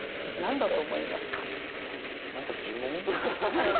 何か呪文？